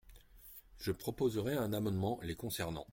Je proposerai un amendement les concernant.